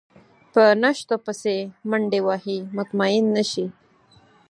په نشتو پسې منډې وهي مطمئن نه شي.